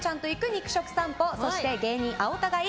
肉食さんぽそして、芸人青田買い！